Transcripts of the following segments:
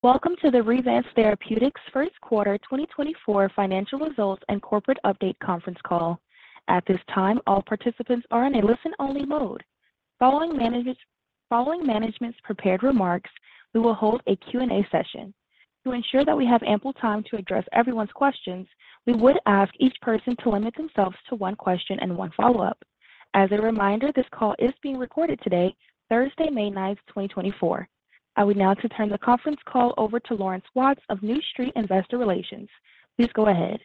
Welcome to the Revance Therapeutics first quarter 2024 financial results and corporate update conference call. At this time, all participants are in a listen-only mode. Following management's prepared remarks, we will hold a Q&A session. To ensure that we have ample time to address everyone's questions, we would ask each person to limit themselves to one question and one follow-up. As a reminder, this call is being recorded today, Thursday, May 9, 2024. I would now like to turn the conference call over to Laurence Watts of New Street Investor Relations. Please go ahead.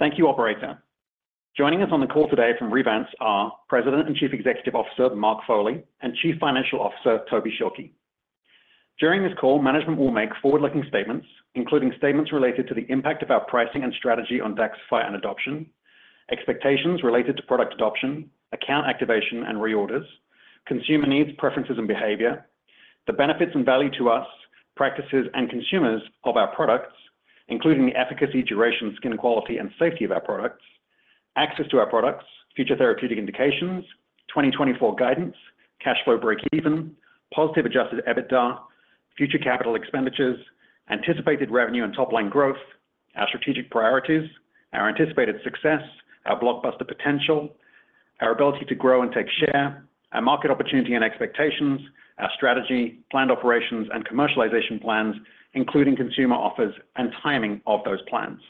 Thank you, Operator. Joining us on the call today from Revance are President and Chief Executive Officer Mark Foley and Chief Financial Officer Toby Schilke. During this call, management will make forward-looking statements, including statements related to the impact of our pricing and strategy on DAXXIFY and adoption, expectations related to product adoption, account activation and reorders, consumer needs, preferences, and behavior, the benefits and value to us, practices, and consumers of our products, including the efficacy, duration, skin quality, and safety of our products, access to our products, future therapeutic indications, 2024 guidance, cash flow break-even, positive Adjusted EBITDA, future capital expenditures, anticipated revenue and top-line growth, our strategic priorities, our anticipated success, our blockbuster potential, our ability to grow and take share, our market opportunity and expectations, our strategy, planned operations, and commercialization plans, including consumer offers and timing of those plans.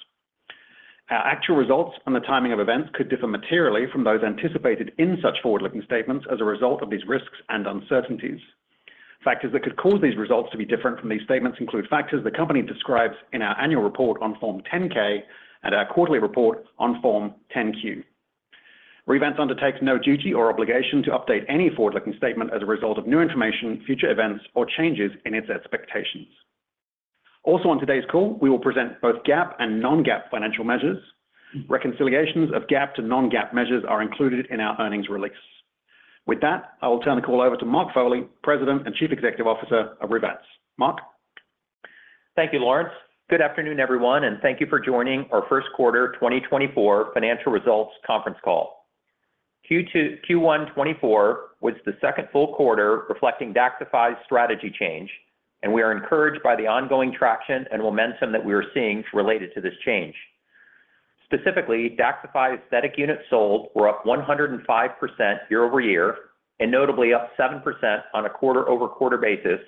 Our actual results and the timing of events could differ materially from those anticipated in such forward-looking statements as a result of these risks and uncertainties. Factors that could cause these results to be different from these statements include factors the company describes in our annual report on Form 10-K and our quarterly report on Form 10-Q. Revance undertakes no duty or obligation to update any forward-looking statement as a result of new information, future events, or changes in its expectations. Also on today's call, we will present both GAAP and non-GAAP financial measures. Reconciliations of GAAP to non-GAAP measures are included in our earnings release. With that, I will turn the call over to Mark Foley, President and Chief Executive Officer of Revance. Mark? Thank you, Lauren. Good afternoon, everyone, and thank you for joining our first quarter 2024 financial results conference call. Q1 2024 was the second full quarter reflecting DAXXIFY's strategy change, and we are encouraged by the ongoing traction and momentum that we are seeing related to this change. Specifically, DAXXIFY's aesthetic units sold were up 105% year-over-year and notably up 7% on a quarter-over-quarter basis,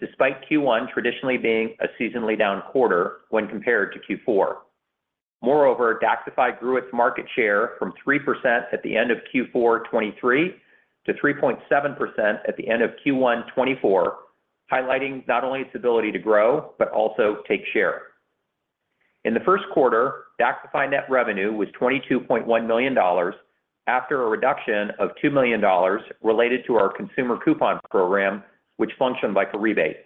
despite Q1 traditionally being a seasonally down quarter when compared to Q4. Moreover, DAXXIFY grew its market share from 3% at the end of Q4 2023 to 3.7% at the end of Q1 2024, highlighting not only its ability to grow but also take share. In the first quarter, DAXXIFY net revenue was $22.1 million after a reduction of $2 million related to our consumer coupon program, which functioned like a rebate.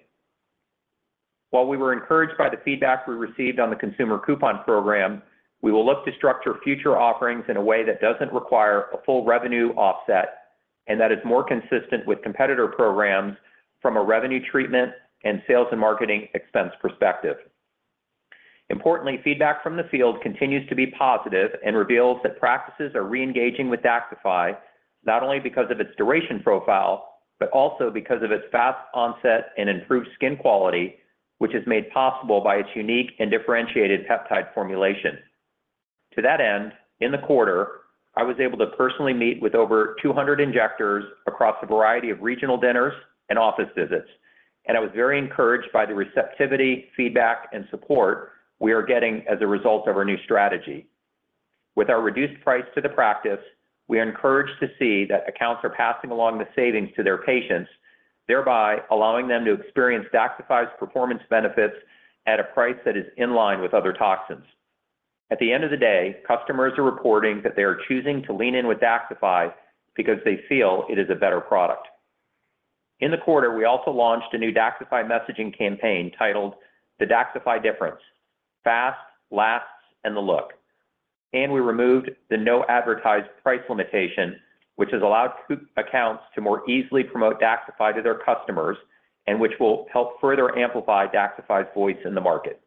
While we were encouraged by the feedback we received on the consumer coupon program, we will look to structure future offerings in a way that doesn't require a full revenue offset and that is more consistent with competitor programs from a revenue treatment and sales and marketing expense perspective. Importantly, feedback from the field continues to be positive and reveals that practices are reengaging with DAXXIFY not only because of its duration profile but also because of its fast onset and improved skin quality, which is made possible by its unique and differentiated peptide formulation. To that end, in the quarter, I was able to personally meet with over 200 injectors across a variety of regional dinners and office visits, and I was very encouraged by the receptivity, feedback, and support we are getting as a result of our new strategy. With our reduced price to the practice, we are encouraged to see that accounts are passing along the savings to their patients, thereby allowing them to experience DAXXIFY's performance benefits at a price that is in line with other toxins. At the end of the day, customers are reporting that they are choosing to lean in with DAXXIFY because they feel it is a better product. In the quarter, we also launched a new DAXXIFY messaging campaign titled The DAXXIFY Difference: Fast, Lasts, and the Look, and we removed the no-advertised price limitation, which has allowed accounts to more easily promote DAXXIFY to their customers and which will help further amplify DAXXIFY's voice in the market.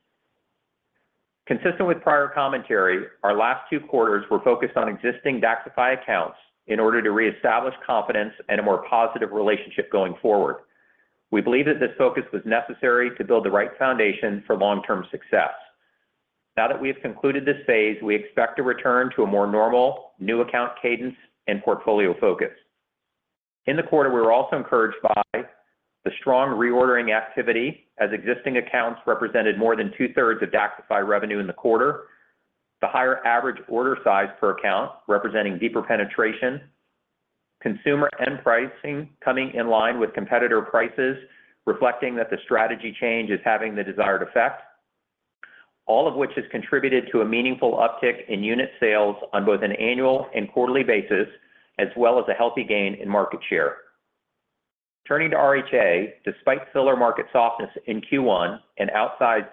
Consistent with prior commentary, our last two quarters were focused on existing DAXXIFY accounts in order to reestablish confidence and a more positive relationship going forward. We believe that this focus was necessary to build the right foundation for long-term success. Now that we have concluded this phase, we expect to return to a more normal new account cadence and portfolio focus. In the quarter, we were also encouraged by the strong reordering activity as existing accounts represented more than two-thirds of DAXXIFY revenue in the quarter, the higher average order size per account representing deeper penetration, consumer end pricing coming in line with competitor prices reflecting that the strategy change is having the desired effect, all of which has contributed to a meaningful uptick in unit sales on both an annual and quarterly basis as well as a healthy gain in market share. Turning to RHA, despite filler market softness in Q1 and outsized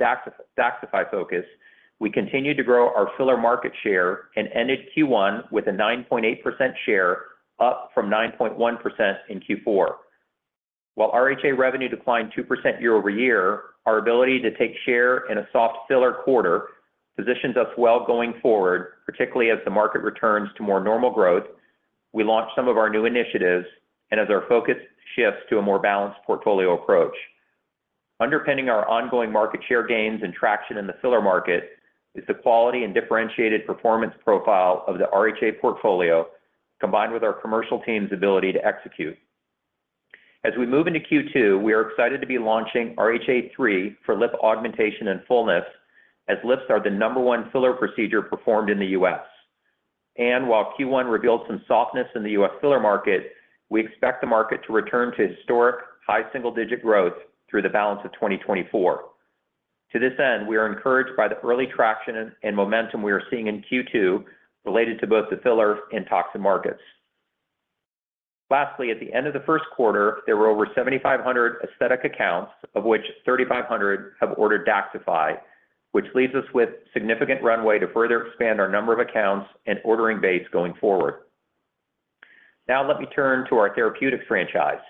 DAXXIFY focus, we continued to grow our filler market share and ended Q1 with a 9.8% share up from 9.1% in Q4. While RHA revenue declined 2% year-over-year, our ability to take share in a soft filler quarter positions us well going forward, particularly as the market returns to more normal growth. We launched some of our new initiatives and as our focus shifts to a more balanced portfolio approach. Underpinning our ongoing market share gains and traction in the filler market is the quality and differentiated performance profile of the RHA portfolio combined with our commercial team's ability to execute. As we move into Q2, we are excited to be launching RHA 3 for lip augmentation and fullness as lips are the number one filler procedure performed in the U.S. While Q1 revealed some softness in the U.S. filler market, we expect the market to return to historic high single-digit growth through the balance of 2024. To this end, we are encouraged by the early traction and momentum we are seeing in Q2 related to both the filler and toxin markets. Lastly, at the end of the first quarter, there were over 7,500 aesthetic accounts, of which 3,500 have ordered DAXXIFY, which leaves us with significant runway to further expand our number of accounts and ordering base going forward. Now let me turn to our therapeutics franchise.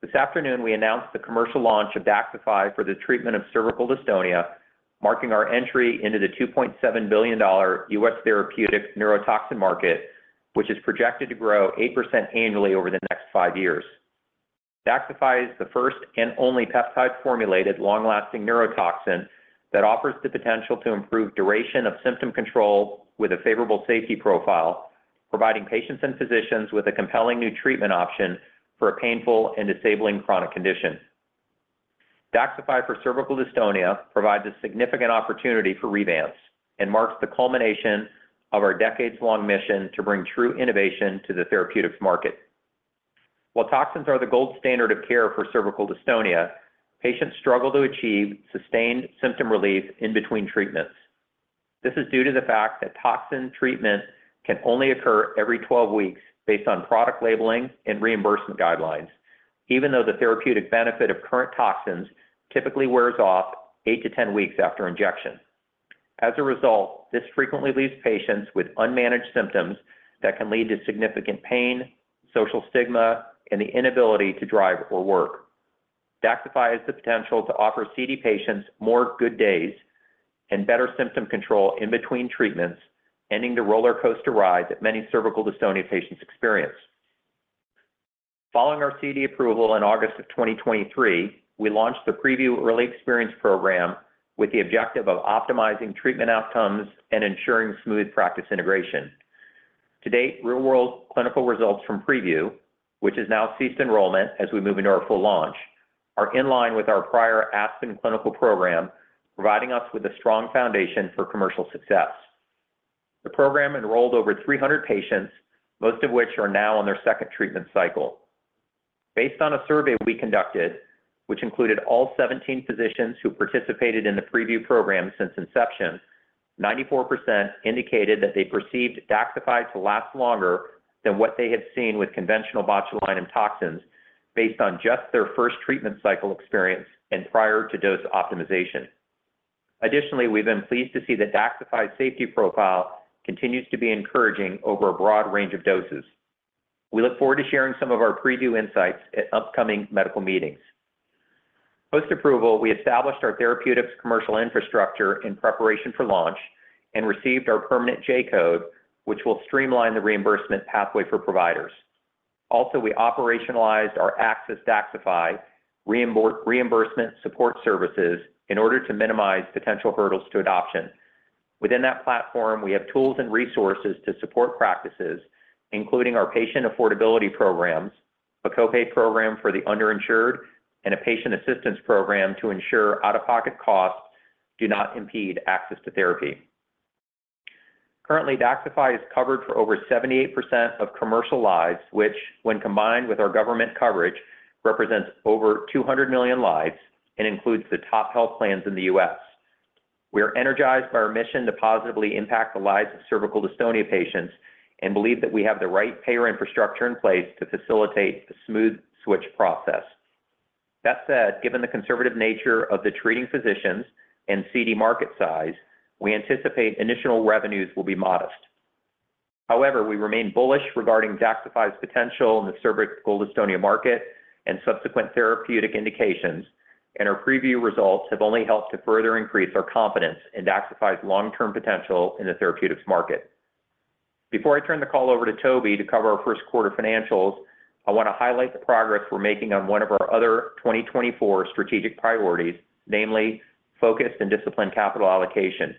This afternoon, we announced the commercial launch of DAXXIFY for the treatment of cervical dystonia, marking our entry into the $2.7 billion U.S. therapeutic neurotoxin market, which is projected to grow 8% annually over the next five years. DAXXIFY is the first and only peptide-formulated long-lasting neurotoxin that offers the potential to improve duration of symptom control with a favorable safety profile, providing patients and physicians with a compelling new treatment option for a painful and disabling chronic condition. DAXXIFY for cervical dystonia provides a significant opportunity for Revance and marks the culmination of our decades-long mission to bring true innovation to the therapeutics market. While toxins are the gold standard of care for cervical dystonia, patients struggle to achieve sustained symptom relief in between treatments. This is due to the fact that toxin treatment can only occur every 12 weeks based on product labeling and reimbursement guidelines, even though the therapeutic benefit of current toxins typically wears off 8-10 weeks after injection. As a result, this frequently leaves patients with unmanaged symptoms that can lead to significant pain, social stigma, and the inability to drive or work. DAXXIFY has the potential to offer CD patients more good days and better symptom control in between treatments, ending the roller coaster ride that many cervical dystonia patients experience. Following our CD approval in August of 2023, we launched the Preview Early Experience Program with the objective of optimizing treatment outcomes and ensuring smooth practice integration. To date, real-world clinical results from Preview, which has now ceased enrollment as we move into our full launch, are in line with our prior ASPEN clinical program, providing us with a strong foundation for commercial success. The program enrolled over 300 patients, most of which are now on their second treatment cycle. Based on a survey we conducted, which included all 17 physicians who participated in the Preview program since inception, 94% indicated that they perceived DAXXIFY to last longer than what they had seen with conventional botulinum toxins based on just their first treatment cycle experience and prior to dose optimization. Additionally, we've been pleased to see that DAXXIFY's safety profile continues to be encouraging over a broad range of doses. We look forward to sharing some of our Preview insights at upcoming medical meetings. Post-approval, we established our therapeutics commercial infrastructure in preparation for launch and received our permanent J-code, which will streamline the reimbursement pathway for providers. Also, we operationalized our Access DAXXIFY reimbursement support services in order to minimize potential hurdles to adoption. Within that platform, we have tools and resources to support practices, including our patient affordability programs, a copay program for the underinsured, and a patient assistance program to ensure out-of-pocket costs do not impede access to therapy. Currently, DAXXIFY is covered for over 78% of commercial lives, which, when combined with our government coverage, represents over 200 million lives and includes the top health plans in the U.S. We are energized by our mission to positively impact the lives of cervical dystonia patients and believe that we have the right payer infrastructure in place to facilitate a smooth switch process. That said, given the conservative nature of the treating physicians and CD market size, we anticipate initial revenues will be modest. However, we remain bullish regarding DAXXIFY's potential in the cervical dystonia market and subsequent therapeutic indications, and our Preview results have only helped to further increase our confidence in DAXXIFY's long-term potential in the therapeutics market. Before I turn the call over to Toby to cover our first quarter financials, I want to highlight the progress we're making on one of our other 2024 strategic priorities, namely focus and discipline capital allocation.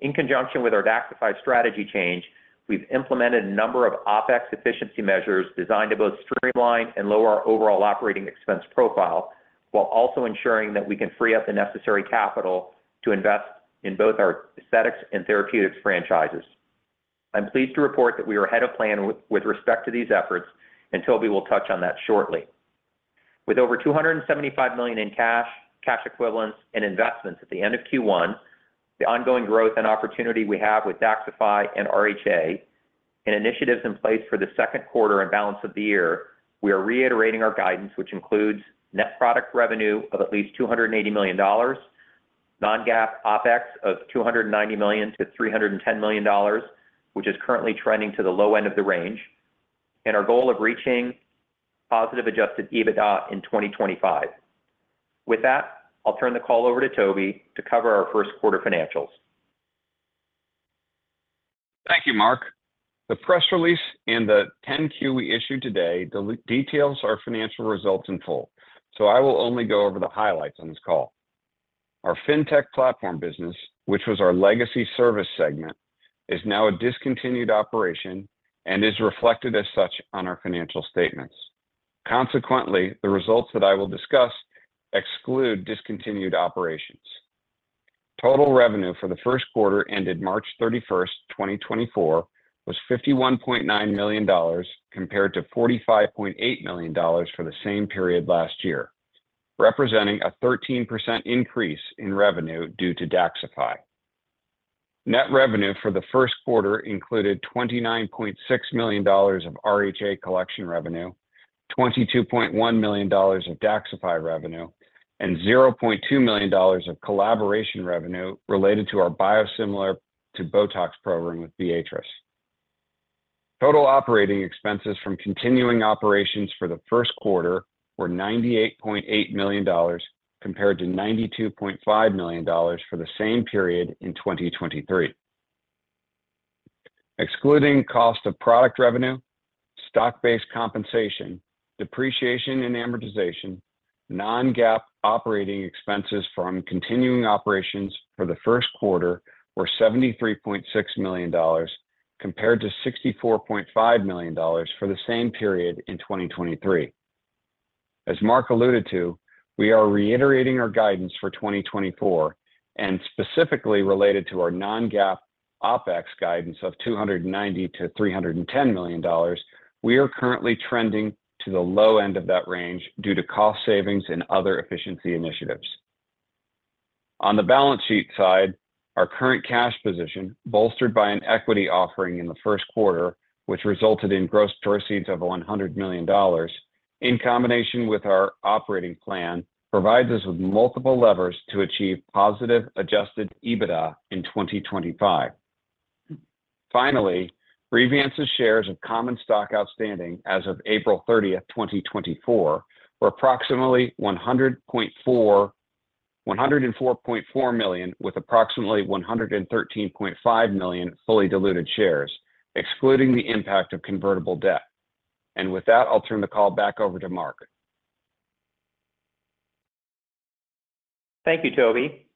In conjunction with our DAXXIFY strategy change, we've implemented a number of OpEx efficiency measures designed to both streamline and lower our overall operating expense profile while also ensuring that we can free up the necessary capital to invest in both our aesthetics and therapeutics franchises. I'm pleased to report that we are ahead of plan with respect to these efforts, and Toby will touch on that shortly. With over $275 million in cash, cash equivalents, and investments at the end of Q1, the ongoing growth and opportunity we have with DAXXIFY and RHA, and initiatives in place for the second quarter and balance of the year, we are reiterating our guidance, which includes net product revenue of at least $280 million, non-GAAP OpEx of $290 million-$310 million, which is currently trending to the low end of the range, and our goal of reaching positive Adjusted EBITDA in 2025. With that, I'll turn the call over to Toby to cover our first quarter financials. Thank you, Mark. The press release and the 10-Q we issued today details our financial results in full, so I will only go over the highlights on this call. Our fintech platform business, which was our legacy service segment, is now a discontinued operation and is reflected as such on our financial statements. Consequently, the results that I will discuss exclude discontinued operations. Total revenue for the first quarter ended March 31st, 2024, was $51.9 million compared to $45.8 million for the same period last year, representing a 13% increase in revenue due to DAXXIFY. Net revenue for the first quarter included $29.6 million of RHA Collection revenue, $22.1 million of DAXXIFY revenue, and $0.2 million of collaboration revenue related to our biosimilar-to-Botox program with Viatris. Total operating expenses from continuing operations for the first quarter were $98.8 million compared to $92.5 million for the same period in 2023. Excluding cost of product revenue, stock-based compensation, depreciation, and amortization, non-GAAP operating expenses from continuing operations for the first quarter were $73.6 million compared to $64.5 million for the same period in 2023. As Mark alluded to, we are reiterating our guidance for 2024, and specifically related to our non-GAAP OpEx guidance of $290-$310 million, we are currently trending to the low end of that range due to cost savings and other efficiency initiatives. On the balance sheet side, our current cash position, bolstered by an equity offering in the first quarter, which resulted in gross proceeds of $100 million, in combination with our operating plan, provides us with multiple levers to achieve positive Adjusted EBITDA in 2025. Finally, Revance's shares of common stock outstanding as of April 30th, 2024, were approximately 104 million with approximately 113.5 million fully diluted shares, excluding the impact of convertible debt. With that, I'll turn the call back over to Mark. Thank you, Toby.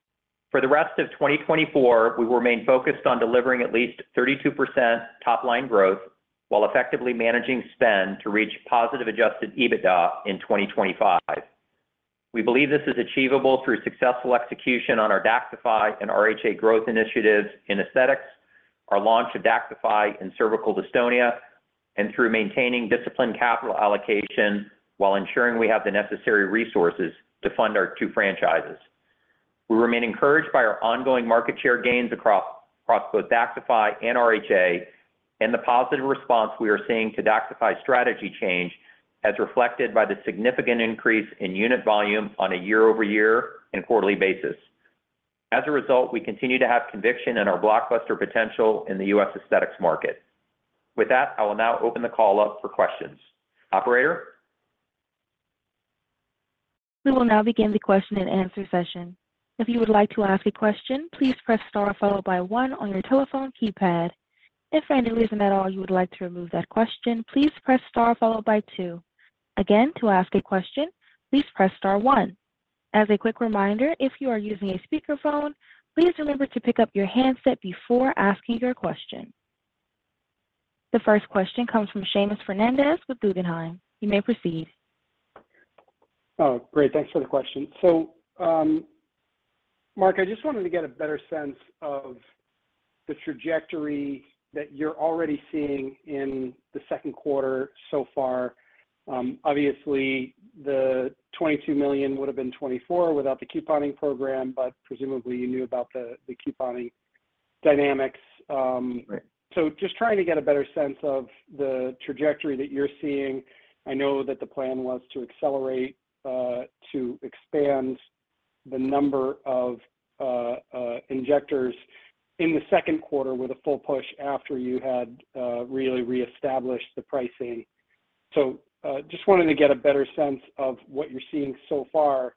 For the rest of 2024, we will remain focused on delivering at least 32% top-line growth while effectively managing spend to reach positive Adjusted EBITDA in 2025. We believe this is achievable through successful execution on our DAXXIFY and RHA growth initiatives in aesthetics, our launch of DAXXIFY in cervical dystonia, and through maintaining discipline capital allocation while ensuring we have the necessary resources to fund our two franchises. We remain encouraged by our ongoing market share gains across both DAXXIFY and RHA and the positive response we are seeing to DAXXIFY's strategy change, as reflected by the significant increase in unit volume on a year-over-year and quarterly basis. As a result, we continue to have conviction in our blockbuster potential in the US aesthetics market. With that, I will now open the call up for questions. Operator? We will now begin the question-and-answer session. If you would like to ask a question, please press star followed by one on your telephone keypad. If by any reason at all you would like to remove that question, please press star followed by two. Again, to ask a question, please press star one. As a quick reminder, if you are using a speakerphone, please remember to pick up your handset before asking your question. The first question comes from Seamus Fernandez with Guggenheim. You may proceed. Great. Thanks for the question. So, Mark, I just wanted to get a better sense of the trajectory that you're already seeing in the second quarter so far. Obviously, the $22 million would have been $24 million without the couponing program, but presumably you knew about the couponing dynamics. So just trying to get a better sense of the trajectory that you're seeing. I know that the plan was to accelerate, to expand the number of injectors in the second quarter with a full push after you had really reestablished the pricing. So just wanted to get a better sense of what you're seeing so far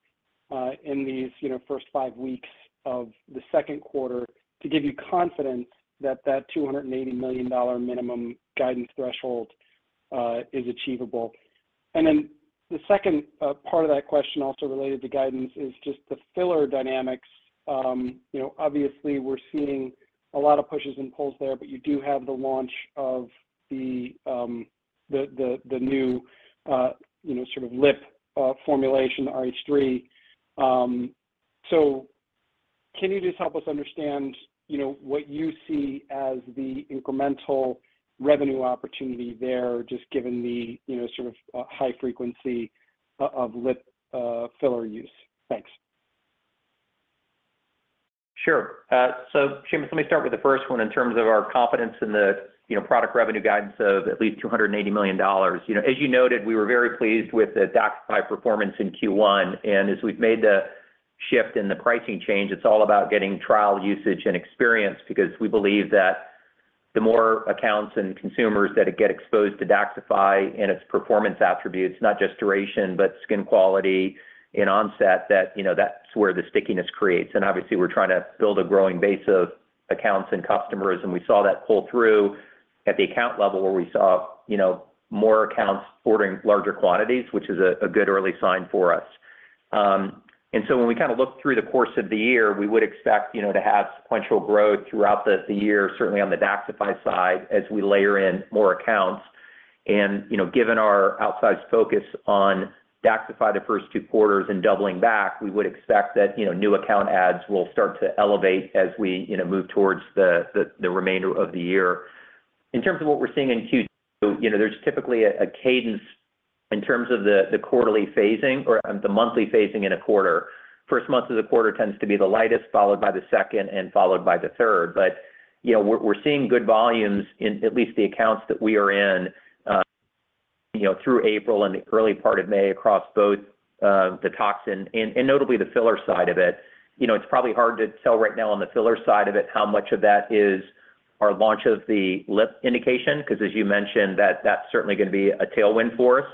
in these first five weeks of the second quarter to give you confidence that that $280 million minimum guidance threshold is achievable. And then the second part of that question, also related to guidance, is just the filler dynamics. Obviously, we're seeing a lot of pushes and pulls there, but you do have the launch of the new sort of lip formulation, RHA 3. So can you just help us understand what you see as the incremental revenue opportunity there, just given the sort of high frequency of lip filler use? Thanks. Sure. So, Seamus, let me start with the first one in terms of our confidence in the product revenue guidance of at least $280 million. As you noted, we were very pleased with the DAXXIFY performance in Q1. And as we've made the shift and the pricing change, it's all about getting trial usage and experience because we believe that the more accounts and consumers that get exposed to DAXXIFY and its performance attributes, not just duration but skin quality in onset, that's where the stickiness creates. And obviously, we're trying to build a growing base of accounts and customers, and we saw that pull through at the account level where we saw more accounts ordering larger quantities, which is a good early sign for us. So when we kind of look through the course of the year, we would expect to have sequential growth throughout the year, certainly on the DAXXIFY side, as we layer in more accounts. Given our outsized focus on DAXXIFY the first two quarters and doubling back, we would expect that new account adds will start to elevate as we move towards the remainder of the year. In terms of what we're seeing in Q2, there's typically a cadence in terms of the quarterly phasing or the monthly phasing in a quarter. First month of the quarter tends to be the lightest, followed by the second and followed by the third. But we're seeing good volumes, at least the accounts that we are in, through April and the early part of May across both the toxin and notably the filler side of it. It's probably hard to tell right now on the filler side of it how much of that is our launch of the lip indication because, as you mentioned, that's certainly going to be a tailwind for us.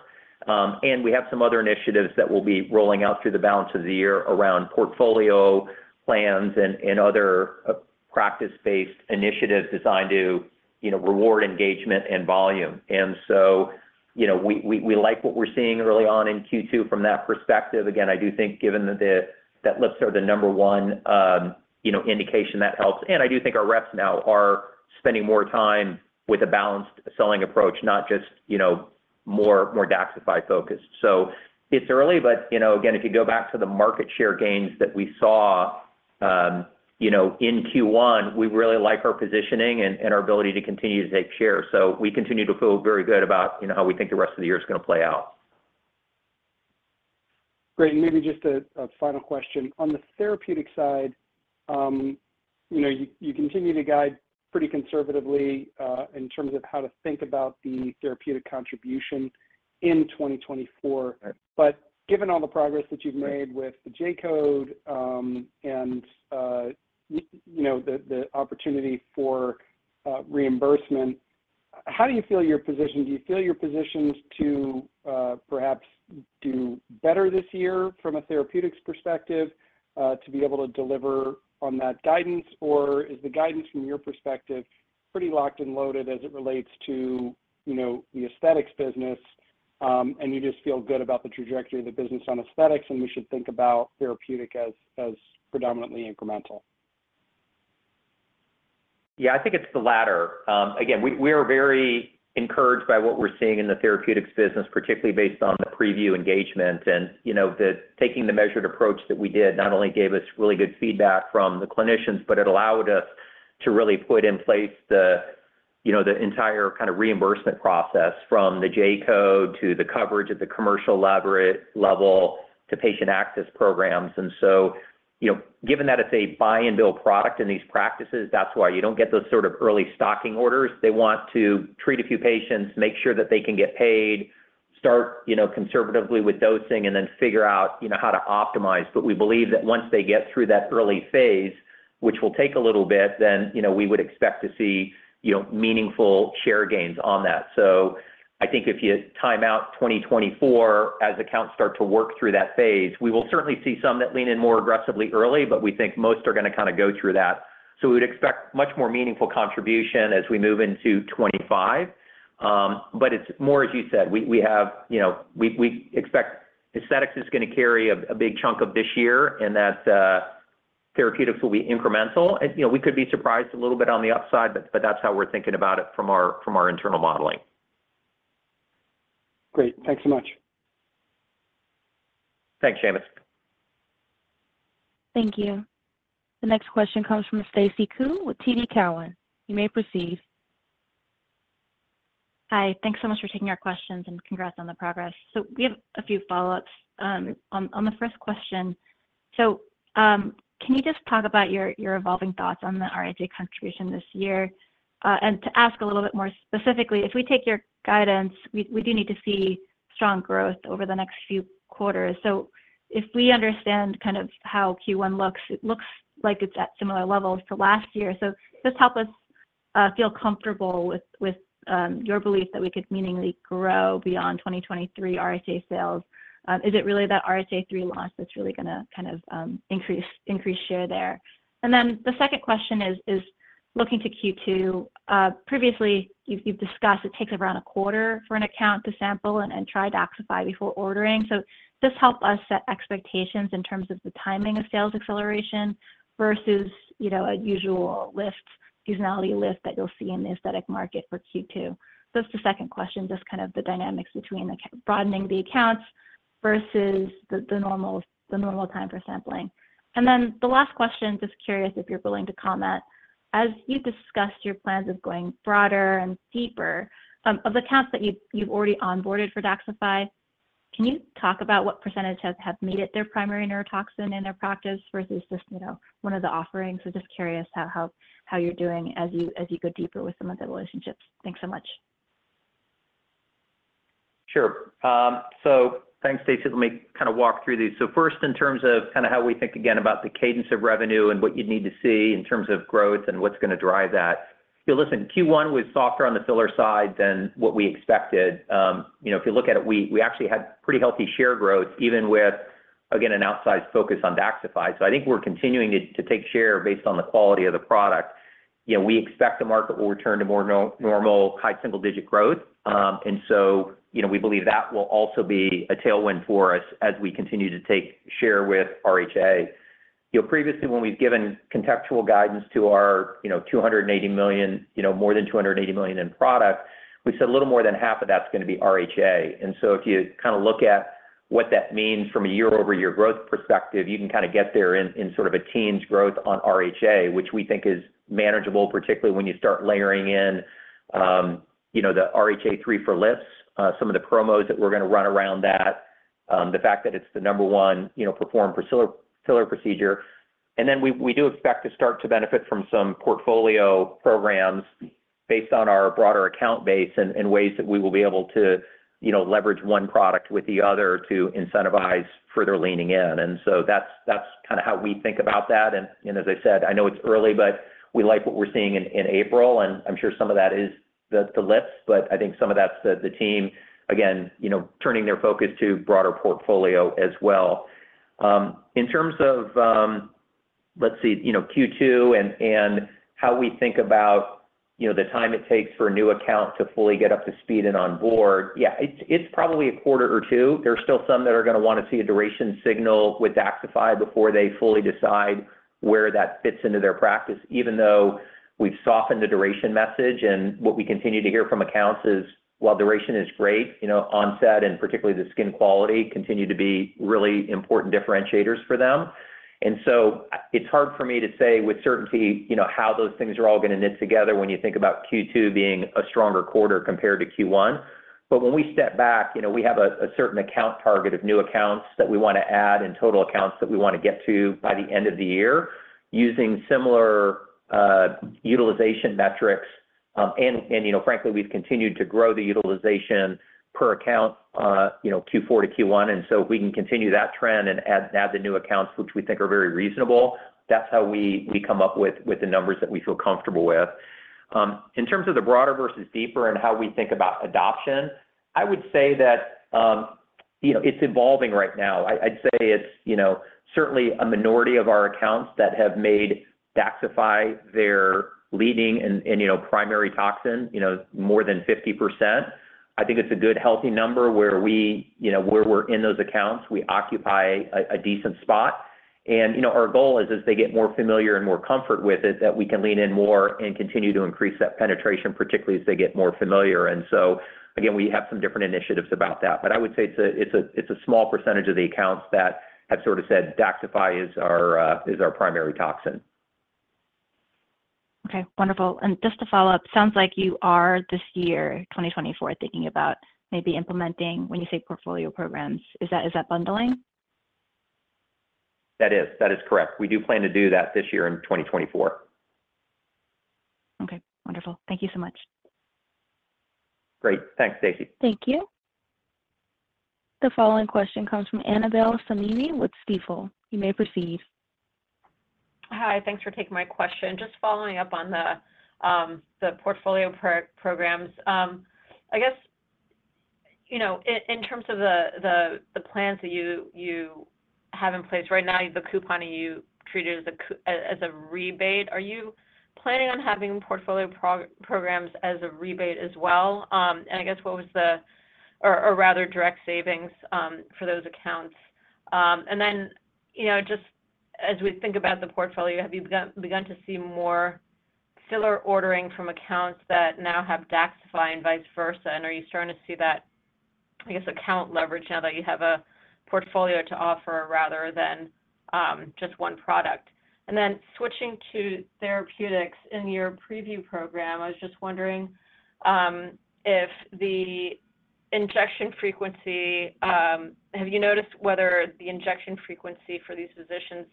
And we have some other initiatives that will be rolling out through the balance of the year around portfolio plans and other practice-based initiatives designed to reward engagement and volume. And so we like what we're seeing early on in Q2 from that perspective. Again, I do think, given that lips are the number one indication, that helps. And I do think our reps now are spending more time with a balanced selling approach, not just more DAXXIFY-focused. So it's early, but again, if you go back to the market share gains that we saw in Q1, we really like our positioning and our ability to continue to take share. We continue to feel very good about how we think the rest of the year is going to play out. Great. And maybe just a final question. On the therapeutic side, you continue to guide pretty conservatively in terms of how to think about the therapeutic contribution in 2024. But given all the progress that you've made with the J-code and the opportunity for reimbursement, how do you feel you're positioned? Do you feel you're positioned to perhaps do better this year from a therapeutics perspective to be able to deliver on that guidance, or is the guidance from your perspective pretty locked and loaded as it relates to the aesthetics business, and you just feel good about the trajectory of the business on aesthetics, and we should think about therapeutic as predominantly incremental? Yeah, I think it's the latter. Again, we are very encouraged by what we're seeing in the therapeutics business, particularly based on the preview engagement. And taking the measured approach that we did not only gave us really good feedback from the clinicians, but it allowed us to really put in place the entire kind of reimbursement process from the J-code to the coverage at the commercial level to patient access programs. And so given that it's a buy-and-build product in these practices, that's why you don't get those sort of early stocking orders. They want to treat a few patients, make sure that they can get paid, start conservatively with dosing, and then figure out how to optimize. But we believe that once they get through that early phase, which will take a little bit, then we would expect to see meaningful share gains on that. So I think if you time out 2024 as accounts start to work through that phase, we will certainly see some that lean in more aggressively early, but we think most are going to kind of go through that. So we would expect much more meaningful contribution as we move into 2025. But it's more, as you said, we expect aesthetics is going to carry a big chunk of this year, and that therapeutics will be incremental. And we could be surprised a little bit on the upside, but that's how we're thinking about it from our internal modeling. Great. Thanks so much. Thanks, Seamus. Thank you. The next question comes from Stacy Ku with TD Cowen. You may proceed. Hi. Thanks so much for taking our questions and congrats on the progress. So we have a few follow-ups. On the first question, so can you just talk about your evolving thoughts on the RHA contribution this year? And to ask a little bit more specifically, if we take your guidance, we do need to see strong growth over the next few quarters. So if we understand kind of how Q1 looks, it looks like it's at similar levels to last year. So just help us feel comfortable with your belief that we could meaningly grow beyond 2023 RHA sales. Is it really that RHA 3 launch that's really going to kind of increase share there? And then the second question is looking to Q2. Previously, you've discussed it takes around a quarter for an account to sample and try DAXify before ordering. Just help us set expectations in terms of the timing of sales acceleration versus a usual seasonality lift that you'll see in the aesthetic market for Q2. That's the second question, just kind of the dynamics between broadening the accounts versus the normal time for sampling. Then the last question, just curious if you're willing to comment. As you discuss your plans of going broader and deeper of accounts that you've already onboarded for DAXXIFY, can you talk about what percentage have made it their primary neurotoxin in their practice versus just one of the offerings? Just curious how you're doing as you go deeper with some of the relationships. Thanks so much. Sure. So thanks, Stacey. Let me kind of walk through these. So first, in terms of kind of how we think, again, about the cadence of revenue and what you'd need to see in terms of growth and what's going to drive that, you'll see, Q1 was softer on the filler side than what we expected. If you look at it, we actually had pretty healthy share growth, even with, again, an outsized focus on DAXXIFY. So I think we're continuing to take share based on the quality of the product. We expect the market will return to more normal, high single-digit growth. And so we believe that will also be a tailwind for us as we continue to take share with RHA. Previously, when we've given contextual guidance to our $280 million, more than $280 million in product, we said a little more than half of that's going to be RHA. And so if you kind of look at what that means from a year-over-year growth perspective, you can kind of get there in sort of a teens growth on RHA, which we think is manageable, particularly when you start layering in the RHA 3 for lips, some of the promos that we're going to run around that, the fact that it's the number one performed filler procedure. And then we do expect to start to benefit from some portfolio programs based on our broader account base and ways that we will be able to leverage one product with the other to incentivize further leaning in. And so that's kind of how we think about that. As I said, I know it's early, but we like what we're seeing in April. And I'm sure some of that is the lips, but I think some of that's the team, again, turning their focus to broader portfolio as well. In terms of, let's see, Q2 and how we think about the time it takes for a new account to fully get up to speed and onboard, yeah, it's probably a quarter or two. There's still some that are going to want to see a duration signal with DAXXIFY before they fully decide where that fits into their practice, even though we've softened the duration message. And what we continue to hear from accounts is, "Well, duration is great." Onset and particularly the skin quality continue to be really important differentiators for them. And so it's hard for me to say with certainty how those things are all going to knit together when you think about Q2 being a stronger quarter compared to Q1. But when we step back, we have a certain account target of new accounts that we want to add and total accounts that we want to get to by the end of the year using similar utilization metrics. And frankly, we've continued to grow the utilization per account Q4 to Q1. And so if we can continue that trend and add the new accounts, which we think are very reasonable, that's how we come up with the numbers that we feel comfortable with. In terms of the broader versus deeper and how we think about adoption, I would say that it's evolving right now. I'd say it's certainly a minority of our accounts that have made DAXXIFY their leading and primary toxin, more than 50%. I think it's a good, healthy number where we're in those accounts. We occupy a decent spot. And our goal is, as they get more familiar and more comfort with it, that we can lean in more and continue to increase that penetration, particularly as they get more familiar. And so, again, we have some different initiatives about that. But I would say it's a small percentage of the accounts that have sort of said DAXXIFY is our primary toxin. Okay. Wonderful. Just to follow up, sounds like you are this year, 2024, thinking about maybe implementing when you say portfolio programs, is that bundling? That is. That is correct. We do plan to do that this year in 2024. Okay. Wonderful. Thank you so much. Great. Thanks, Stacey. Thank you. The following question comes from Annabel Samimy with Stifel. You may proceed. Hi. Thanks for taking my question. Just following up on the portfolio programs. I guess in terms of the plans that you have in place right now, the coupon that you treated as a rebate, are you planning on having portfolio programs as a rebate as well? And I guess what was the, or rather, direct savings for those accounts? And then just as we think about the portfolio, have you begun to see more filler ordering from accounts that now have DAXXIFY and vice versa? And are you starting to see that, I guess, account leverage now that you have a portfolio to offer rather than just one product? And then switching to therapeutics, in your preview program, I was just wondering if the injection frequency—have you noticed whether the injection frequency for these physicians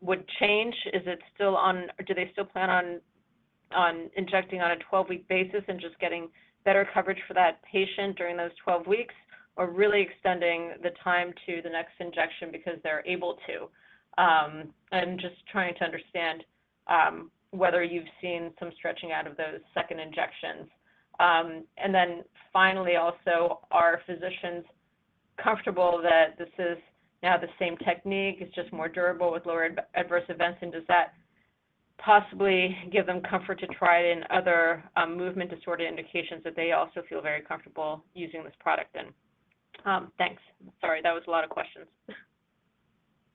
would change? Is it still on? Do they still plan on injecting on a 12-week basis and just getting better coverage for that patient during those 12 weeks, or really extending the time to the next injection because they're able to? I'm just trying to understand whether you've seen some stretching out of those second injections. And then finally, also, are physicians comfortable that this is now the same technique? It's just more durable with lower adverse events. And does that possibly give them comfort to try it in other movement-disorder indications that they also feel very comfortable using this product in? Thanks. Sorry. That was a lot of questions. Yeah.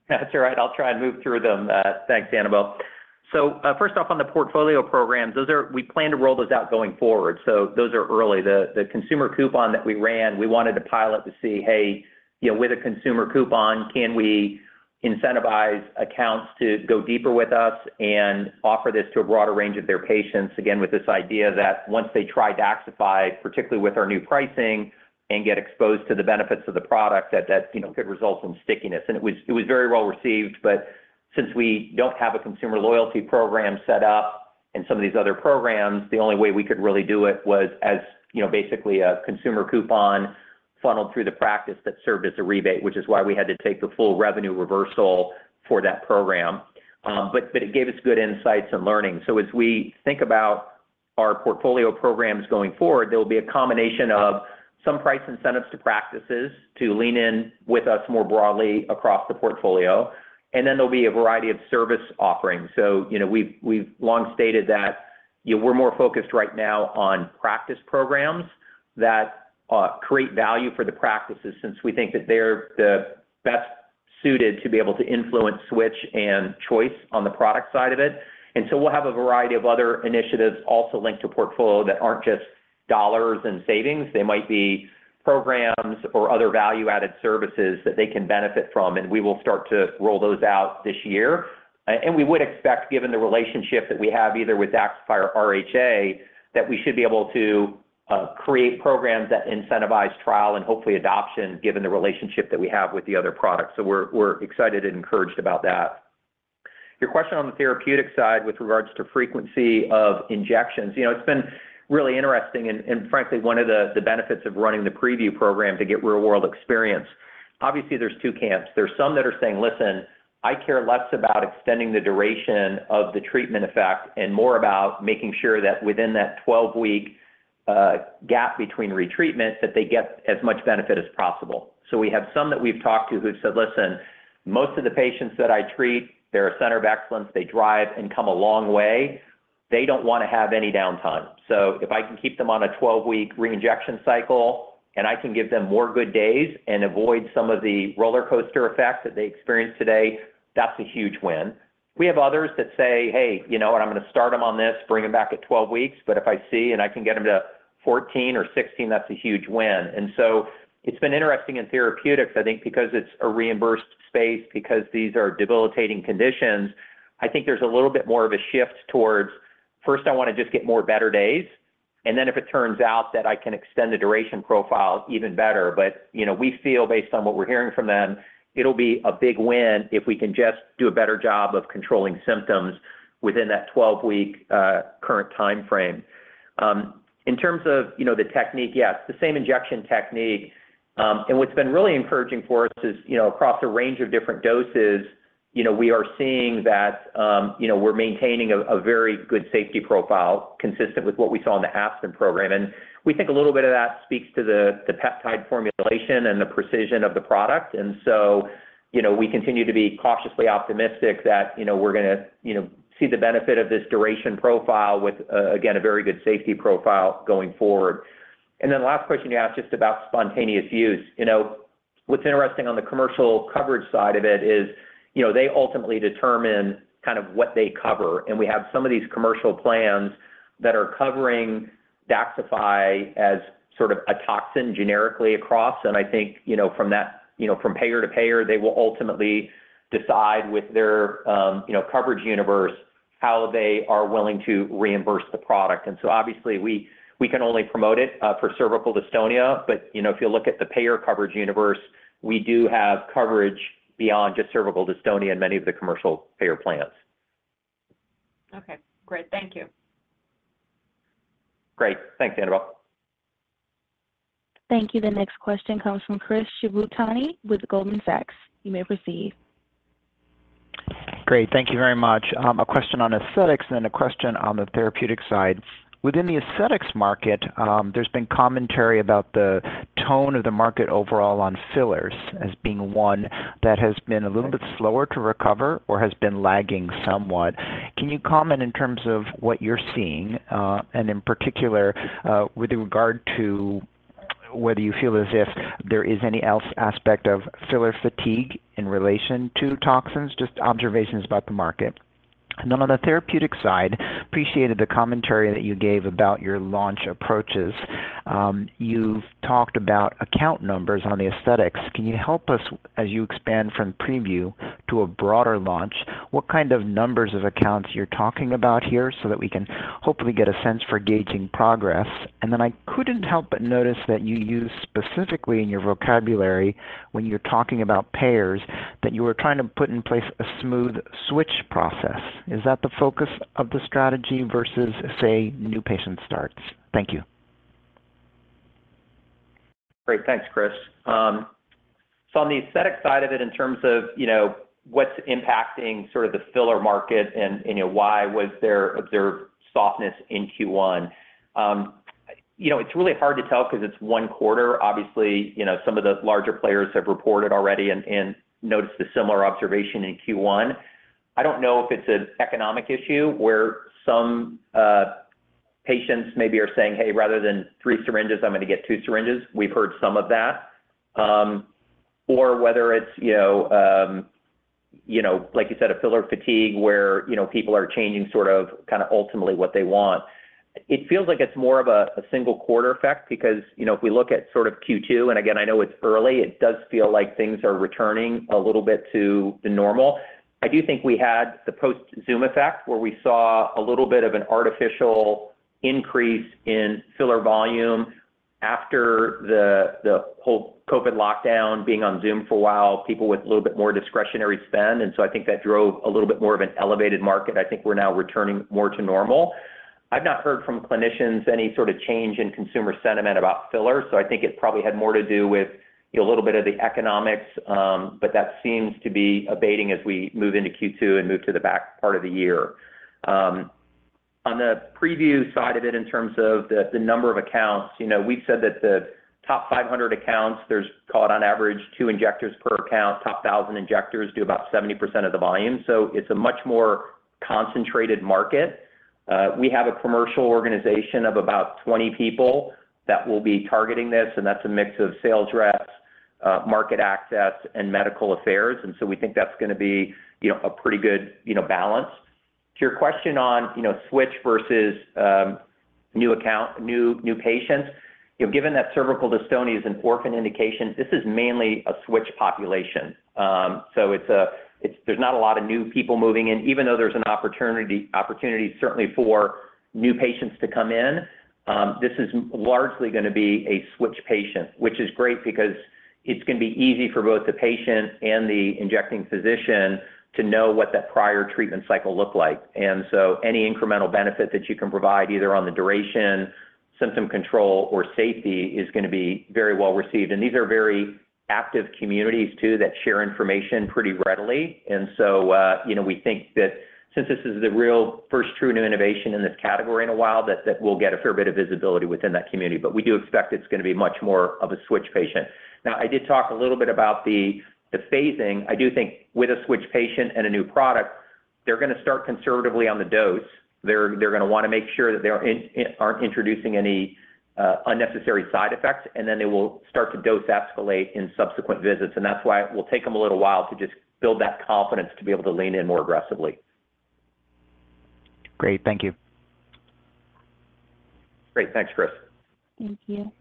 That's all right. I'll try and move through them. Thanks, Annabel. So first off, on the portfolio programs, we plan to roll those out going forward. So those are early. The consumer coupon that we ran, we wanted to pilot to see, "Hey, with a consumer coupon, can we incentivize accounts to go deeper with us and offer this to a broader range of their patients?" Again, with this idea that once they try DAXXIFY, particularly with our new pricing, and get exposed to the benefits of the product, that that could result in stickiness. And it was very well received. But since we don't have a consumer loyalty program set up and some of these other programs, the only way we could really do it was as basically a consumer coupon funneled through the practice that served as a rebate, which is why we had to take the full revenue reversal for that program. But it gave us good insights and learning. So as we think about our portfolio programs going forward, there will be a combination of some price incentives to practices to lean in with us more broadly across the portfolio. And then there'll be a variety of service offerings. So we've long stated that we're more focused right now on practice programs that create value for the practices since we think that they're the best suited to be able to influence switch and choice on the product side of it. And so we'll have a variety of other initiatives also linked to portfolio that aren't just dollars and savings. They might be programs or other value-added services that they can benefit from. And we will start to roll those out this year. And we would expect, given the relationship that we have either with DAXXIFY or RHA, that we should be able to create programs that incentivize trial and hopefully adoption given the relationship that we have with the other products. So we're excited and encouraged about that. Your question on the therapeutic side with regards to frequency of injections, it's been really interesting. And frankly, one of the benefits of running the preview program to get real-world experience, obviously, there's two camps. There's some that are saying, "Listen, I care less about extending the duration of the treatment effect and more about making sure that within that 12-week gap between retreatments, that they get as much benefit as possible." So we have some that we've talked to who've said, "Listen, most of the patients that I treat, they're a center of excellence. They drive and come a long way. They don't want to have any downtime. So if I can keep them on a 12-week reinjection cycle and I can give them more good days and avoid some of the roller coaster effect that they experience today, that's a huge win." We have others that say, "Hey, you know what? I'm going to start them on this, bring them back at 12 weeks. But if I see and I can get them to 14 or 16, that's a huge win." And so it's been interesting in therapeutics, I think, because it's a reimbursed space, because these are debilitating conditions. I think there's a little bit more of a shift towards, "First, I want to just get more better days. And then if it turns out that I can extend the duration profile even better." But we feel, based on what we're hearing from them, it'll be a big win if we can just do a better job of controlling symptoms within that 12-week current timeframe. In terms of the technique, yes, the same injection technique. And what's been really encouraging for us is across a range of different doses, we are seeing that we're maintaining a very good safety profile consistent with what we saw in the ASPEN program. We think a little bit of that speaks to the peptide formulation and the precision of the product. So we continue to be cautiously optimistic that we're going to see the benefit of this duration profile with, again, a very good safety profile going forward. Then the last question you asked just about spontaneous use. What's interesting on the commercial coverage side of it is they ultimately determine kind of what they cover. We have some of these commercial plans that are covering DAXXIFY as sort of a toxin generically across. I think from payer to payer, they will ultimately decide with their coverage universe how they are willing to reimburse the product. So obviously, we can only promote it for cervical dystonia. If you look at the payer coverage universe, we do have coverage beyond just cervical dystonia in many of the commercial payer plans. Okay. Great. Thank you. Great. Thanks, Annabel. Thank you. The next question comes from Chris Shibutani with Goldman Sachs. You may proceed. Great. Thank you very much. A question on aesthetics and then a question on the therapeutic side. Within the aesthetics market, there's been commentary about the tone of the market overall on fillers as being one that has been a little bit slower to recover or has been lagging somewhat. Can you comment in terms of what you're seeing and in particular with regard to whether you feel as if there is any other aspect of filler fatigue in relation to toxins, just observations about the market? And then on the therapeutic side, appreciated the commentary that you gave about your launch approaches. You've talked about account numbers on the aesthetics. Can you help us, as you expand from preview to a broader launch, what kind of numbers of accounts you're talking about here so that we can hopefully get a sense for gauging progress? Then I couldn't help but notice that you use specifically in your vocabulary when you're talking about payers that you were trying to put in place a smooth switch process. Is that the focus of the strategy versus, say, new patient starts? Thank you. Great. Thanks, Chris. So on the aesthetic side of it, in terms of what's impacting sort of the filler market and why was there observed softness in Q1, it's really hard to tell because it's one quarter. Obviously, some of the larger players have reported already and noticed a similar observation in Q1. I don't know if it's an economic issue where some patients maybe are saying, "Hey, rather than three syringes, I'm going to get two syringes." We've heard some of that. Or whether it's, like you said, a filler fatigue where people are changing sort of kind of ultimately what they want. It feels like it's more of a single quarter effect because if we look at sort of Q2, and again, I know it's early, it does feel like things are returning a little bit to the normal. I do think we had the post-Zoom effect where we saw a little bit of an artificial increase in filler volume after the whole COVID lockdown being on Zoom for a while, people with a little bit more discretionary spend. So I think that drove a little bit more of an elevated market. I think we're now returning more to normal. I've not heard from clinicians any sort of change in consumer sentiment about fillers. So I think it probably had more to do with a little bit of the economics. But that seems to be abating as we move into Q2 and move to the back part of the year. On the preview side of it, in terms of the number of accounts, we've said that the top 500 accounts, there are, on average, two injectors per account. Top 1,000 injectors do about 70% of the volume. It's a much more concentrated market. We have a commercial organization of about 20 people that will be targeting this. That's a mix of sales reps, market access, and medical affairs. We think that's going to be a pretty good balance. To your question on switch versus new patients, given that cervical dystonia is an orphan indication, this is mainly a switch population. There's not a lot of new people moving in. Even though there's an opportunity, certainly, for new patients to come in, this is largely going to be a switch patient, which is great because it's going to be easy for both the patient and the injecting physician to know what that prior treatment cycle looked like. Any incremental benefit that you can provide either on the duration, symptom control, or safety is going to be very well received. These are very active communities, too, that share information pretty readily. So we think that since this is the real first true new innovation in this category in a while, that we'll get a fair bit of visibility within that community. We do expect it's going to be much more of a switch patient. Now, I did talk a little bit about the phasing. I do think with a switch patient and a new product, they're going to start conservatively on the dose. They're going to want to make sure that they aren't introducing any unnecessary side effects. Then they will start to dose escalate in subsequent visits. That's why it will take them a little while to just build that confidence to be able to lean in more aggressively. Great. Thank you. Great. Thanks, Chris. Thank you.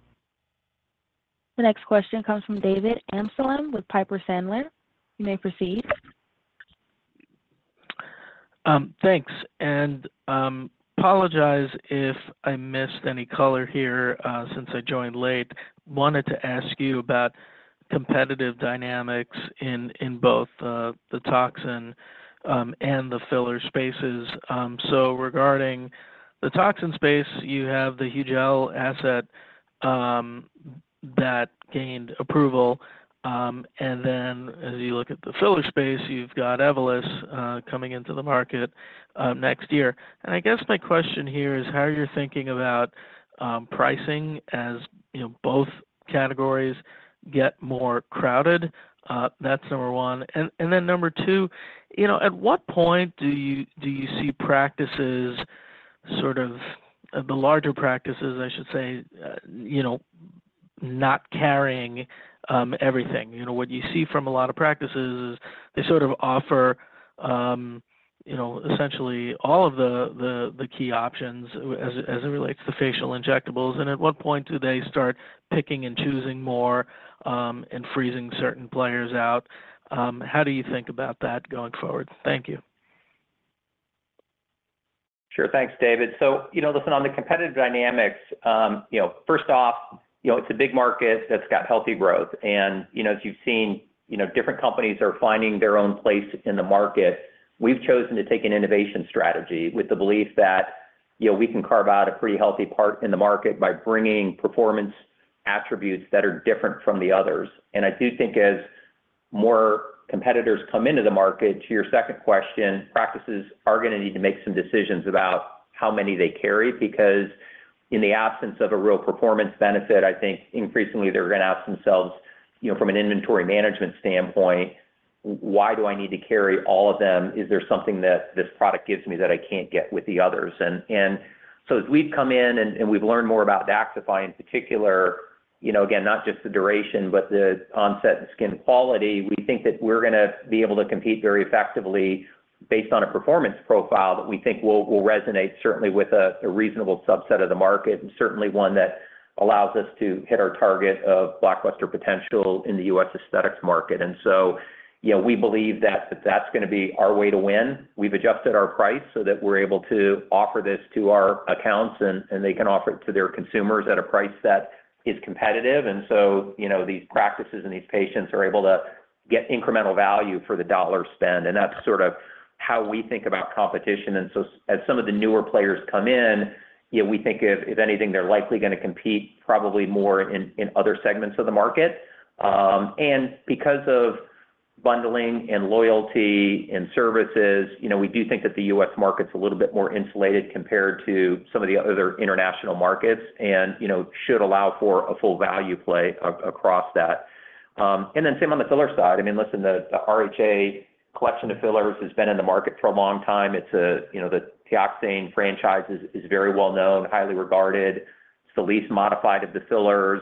The next question comes from David Amsalem with Piper Sandler. You may proceed. Thanks. And apologize if I missed any color here since I joined late. Wanted to ask you about competitive dynamics in both the toxin and the filler spaces. So regarding the toxin space, you have the Hugel asset that gained approval. And then as you look at the filler space, you've got Evolysse coming into the market next year. And I guess my question here is how you're thinking about pricing as both categories get more crowded. That's number one. And then number two, at what point do you see practices, sort of the larger practices, I should say, not carrying everything? What you see from a lot of practices is they sort of offer essentially all of the key options as it relates to facial injectables. And at what point do they start picking and choosing more and freezing certain players out? How do you think about that going forward? Thank you. Sure. Thanks, David. Listen, on the competitive dynamics, first off, it's a big market that's got healthy growth. As you've seen, different companies are finding their own place in the market. We've chosen to take an innovation strategy with the belief that we can carve out a pretty healthy part in the market by bringing performance attributes that are different from the others. I do think as more competitors come into the market, to your second question, practices are going to need to make some decisions about how many they carry because in the absence of a real performance benefit, I think increasingly, they're going to ask themselves, from an inventory management standpoint, "Why do I need to carry all of them? Is there something that this product gives me that I can't get with the others?" And so as we've come in and we've learned more about DAXXIFY in particular, again, not just the duration but the onset and skin quality, we think that we're going to be able to compete very effectively based on a performance profile that we think will resonate certainly with a reasonable subset of the market and certainly one that allows us to hit our target of blockbuster potential in the U.S. aesthetics market. And so we believe that that's going to be our way to win. We've adjusted our price so that we're able to offer this to our accounts, and they can offer it to their consumers at a price that is competitive. And so these practices and these patients are able to get incremental value for the dollar spend. And that's sort of how we think about competition. And so as some of the newer players come in, we think if anything, they're likely going to compete probably more in other segments of the market. And because of bundling and loyalty and services, we do think that the U.S. market's a little bit more insulated compared to some of the other international markets and should allow for a full value play across that. And then same on the filler side. I mean, listen, the RHA Collection of fillers has been in the market for a long time. The Teoxane franchise is very well-known, highly regarded. It's the least modified of the fillers.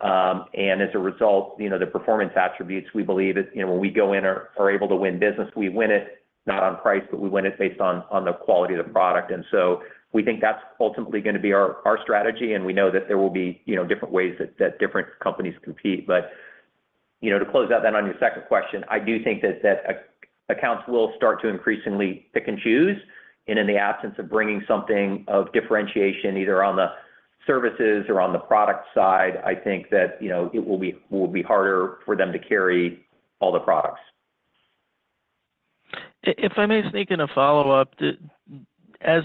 And as a result, the performance attributes, we believe when we go in or are able to win business, we win it not on price, but we win it based on the quality of the product. And so we think that's ultimately going to be our strategy. And we know that there will be different ways that different companies compete. But to close out then on your second question, I do think that accounts will start to increasingly pick and choose. And in the absence of bringing something of differentiation either on the services or on the product side, I think that it will be harder for them to carry all the products. If I may sneak in a follow-up, as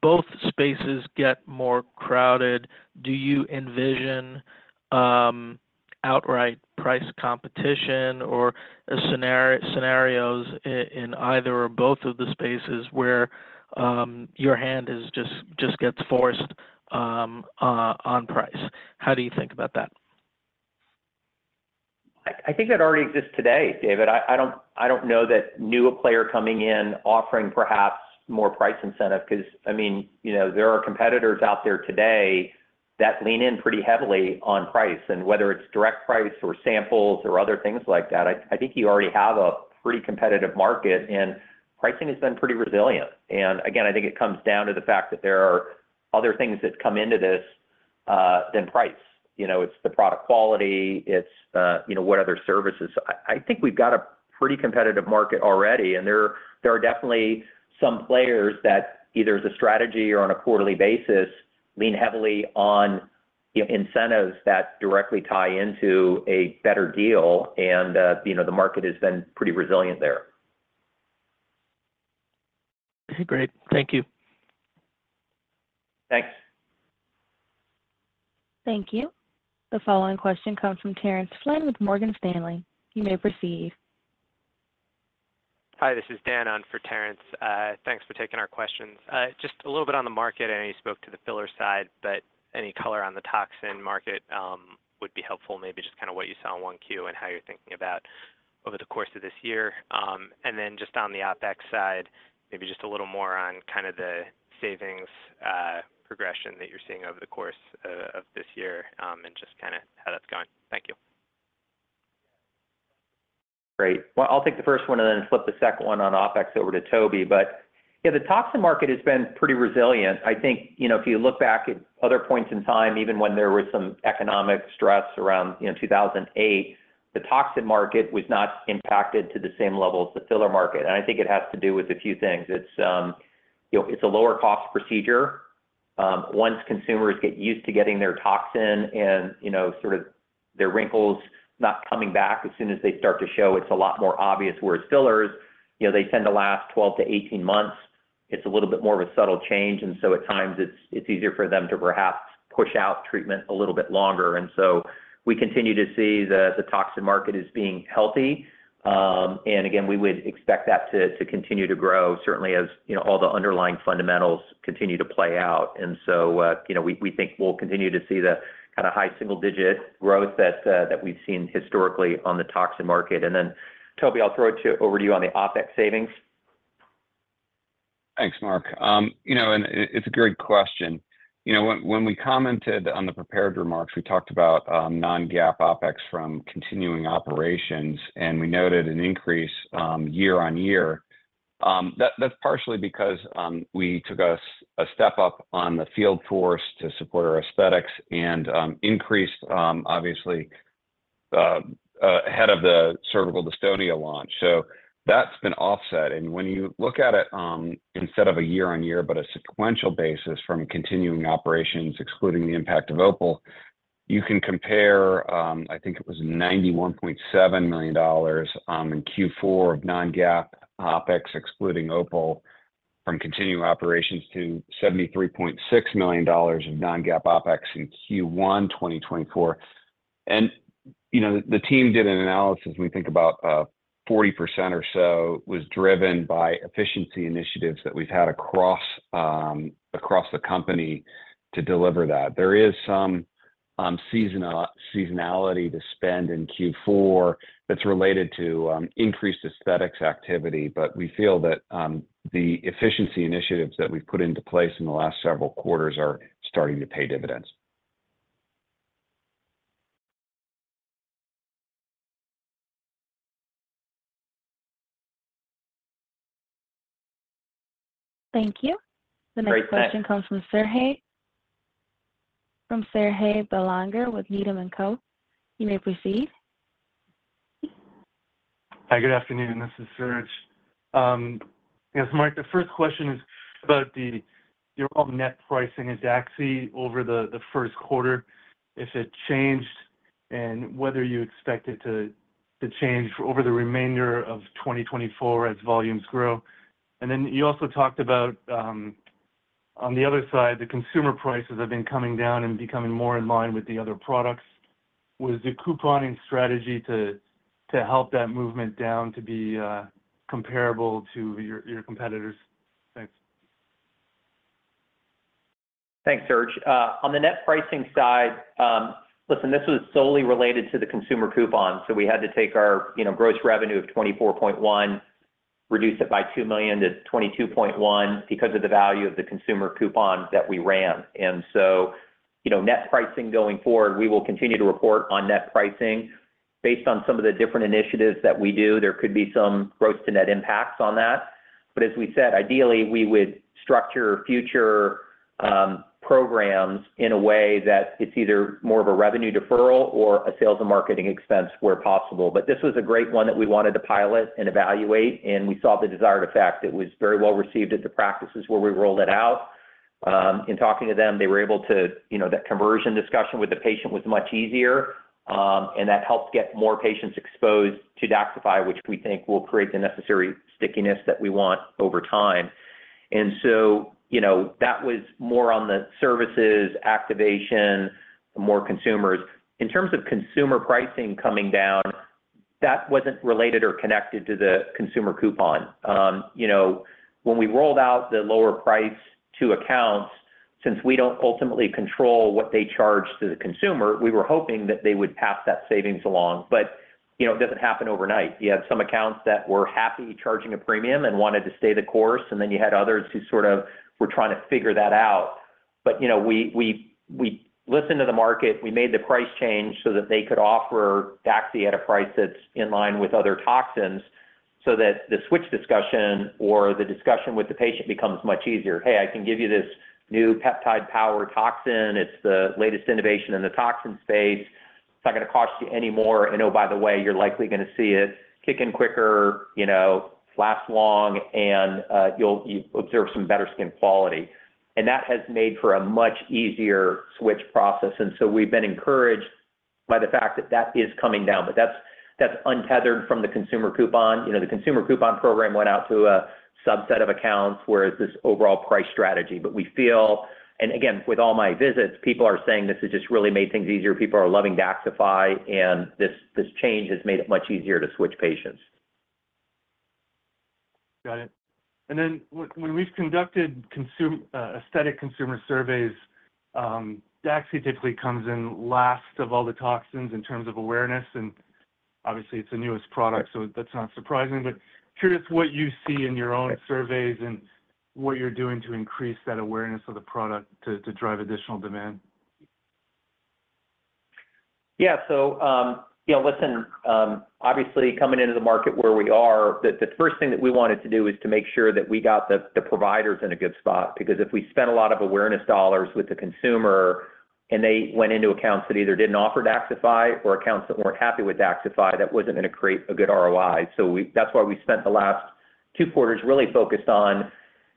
both spaces get more crowded, do you envision outright price competition or scenarios in either or both of the spaces where your hand just gets forced on price? How do you think about that? I think that already exists today, David. I don't know that a new player coming in offering perhaps more price incentive because, I mean, there are competitors out there today that lean in pretty heavily on price. Whether it's direct price or samples or other things like that, I think you already have a pretty competitive market. Pricing has been pretty resilient. Again, I think it comes down to the fact that there are other things that come into this than price. It's the product quality. It's what other services I think we've got a pretty competitive market already. There are definitely some players that either as a strategy or on a quarterly basis lean heavily on incentives that directly tie into a better deal. The market has been pretty resilient there. Great. Thank you. Thanks. Thank you. The following question comes from Terence Flynn with Morgan Stanley. You may proceed. Hi. This is Dan on for Terence. Thanks for taking our questions. Just a little bit on the market. I know you spoke to the filler side, but any color on the toxin market would be helpful, maybe just kind of what you saw in Q1 and how you're thinking about over the course of this year. And then just on the OpEx side, maybe just a little more on kind of the savings progression that you're seeing over the course of this year and just kind of how that's going. Thank you. Great. Well, I'll take the first one and then flip the second one on OpEx over to Toby. But yeah, the toxin market has been pretty resilient. I think if you look back at other points in time, even when there was some economic stress around 2008, the toxin market was not impacted to the same level as the filler market. And I think it has to do with a few things. It's a lower-cost procedure. Once consumers get used to getting their toxin and sort of their wrinkles not coming back as soon as they start to show, it's a lot more obvious. Whereas fillers, they tend to last 12-18 months. It's a little bit more of a subtle change. And so at times, it's easier for them to perhaps push out treatment a little bit longer. We continue to see the toxin market as being healthy. Again, we would expect that to continue to grow, certainly as all the underlying fundamentals continue to play out. So we think we'll continue to see the kind of high single-digit growth that we've seen historically on the toxin market. Then Toby, I'll throw it over to you on the OpEx savings. Thanks, Mark. It's a great question. When we commented on the prepared remarks, we talked about non-GAAP OpEx from continuing operations. We noted an increase year-on-year. That's partially because we took a step up on the field force to support our aesthetics and increased, obviously, ahead of the cervical dystonia launch. That's been offset. When you look at it instead of a year-on-year but a sequential basis from continuing operations, excluding the impact of OPUL, you can compare, I think it was $91.7 million in Q4 of non-GAAP OpEx, excluding OPUL, from continuing operations to $73.6 million of non-GAAP OpEx in Q1, 2024. The team did an analysis. When we think about 40% or so, it was driven by efficiency initiatives that we've had across the company to deliver that. There is some seasonality to spend in Q4 that's related to increased aesthetics activity. But we feel that the efficiency initiatives that we've put into place in the last several quarters are starting to pay dividends. Thank you. The next question comes from Serge Belanger with Needham & Co. You may proceed. Hi. Good afternoon. This is Serge. Yes, Mark, the first question is about your own net pricing in DAXXIFY over the first quarter, if it changed, and whether you expect it to change over the remainder of 2024 as volumes grow. And then you also talked about, on the other side, the consumer prices have been coming down and becoming more in line with the other products. Was the couponing strategy to help that movement down to be comparable to your competitors? Thanks. Thanks, Serge. On the net pricing side, listen, this was solely related to the consumer coupon. So we had to take our gross revenue of $24.1 million, reduce it by $2 million to $22.1 million because of the value of the consumer coupon that we ran. And so net pricing going forward, we will continue to report on net pricing. Based on some of the different initiatives that we do, there could be some gross-to-net impacts on that. But as we said, ideally, we would structure future programs in a way that it's either more of a revenue deferral or a sales and marketing expense where possible. But this was a great one that we wanted to pilot and evaluate. And we saw the desired effect. It was very well received at the practices where we rolled it out. In talking to them, they were able to that conversion discussion with the patient was much easier. That helped get more patients exposed to DAXXIFY, which we think will create the necessary stickiness that we want over time. So that was more on the services, activation, more consumers. In terms of consumer pricing coming down, that wasn't related or connected to the consumer coupon. When we rolled out the lower price to accounts, since we don't ultimately control what they charge to the consumer, we were hoping that they would pass that savings along. But it doesn't happen overnight. You had some accounts that were happy charging a premium and wanted to stay the course. Then you had others who sort of were trying to figure that out. But we listened to the market. We made the price change so that they could offer DAXI at a price that's in line with other toxins so that the switch discussion or the discussion with the patient becomes much easier. "Hey, I can give you this new peptide-powered toxin. It's the latest innovation in the toxin space. It's not going to cost you any more. And oh, by the way, you're likely going to see it kick in quicker, last long, and you'll observe some better skin quality." And that has made for a much easier switch process. And so we've been encouraged by the fact that that is coming down. But that's untethered from the consumer coupon. The consumer coupon program went out to a subset of accounts. Whereas this overall price strategy but we feel and again, with all my visits, people are saying this has just really made things easier. People are loving DAXXIFY. This change has made it much easier to switch patients. Got it. And then when we've conducted aesthetic consumer surveys, DAXI typically comes in last of all the toxins in terms of awareness. And obviously, it's the newest product, so that's not surprising. But curious what you see in your own surveys and what you're doing to increase that awareness of the product to drive additional demand? Yeah. So listen, obviously, coming into the market where we are, the first thing that we wanted to do is to make sure that we got the providers in a good spot because if we spent a lot of awareness dollars with the consumer and they went into accounts that either didn't offer DAXXIFY or accounts that weren't happy with DAXXIFY, that wasn't going to create a good ROI. So that's why we spent the last two quarters really focused on